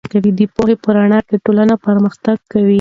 د پوهې په رڼا کې ټولنه پرمختګ کوي.